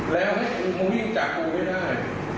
แล้วให้ครูมิ่งจากครูไม่ได้